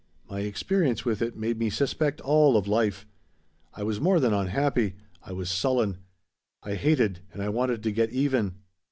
My experience with it made me suspect all of life. I was more than unhappy. I was sullen. I hated and I wanted to get even.